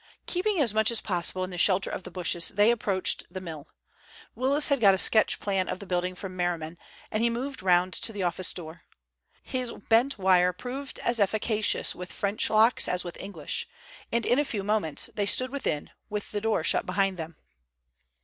Keeping as much as possible in the shelter of the bushes, they approached the mill. Willis had got a sketch plan of the building from Merriman, and he moved round to the office door. His bent wire proved as efficacious with French locks as with English, and in a few moments they stood within, with the door shut behind them.